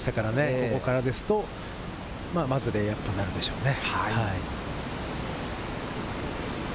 ここからですと、まずレイアップになるでしょうね。